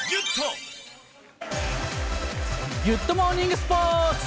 ギュッとモーニングスポーツ。